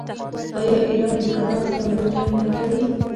آیا ایران د کاغذ تولید هم نه کوي؟